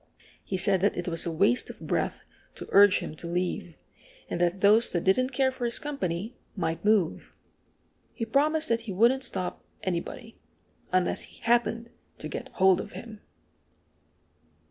He said that it was a waste of breath to urge him to leave, and that those that didn't care for his company might move. He promised that he wouldn't stop anybody unless he happened to get hold of him!